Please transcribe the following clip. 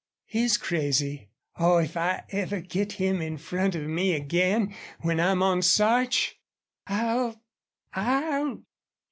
"He's crazy. Oh, if I ever get him in front of me again when I'm on Sarch I'll I'll...."